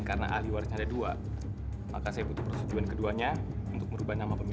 kalau perempuan kenapa